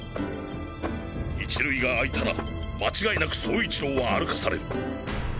１塁が空いたら間違いなく走一郎は歩かされる。